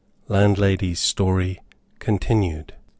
LANDLADY'S STORY CONTINUED.